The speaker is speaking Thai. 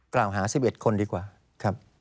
กล่าวหา๑๑คนดีกว่า